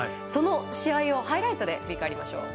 その試合をハイライトで振り返ります。